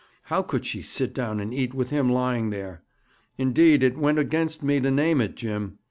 How could she sit down and eat with him lying there? Indeed, it went against me to name it, Jim.